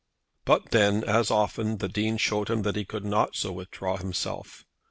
But then, as often, the Dean showed him that he could not so withdraw himself.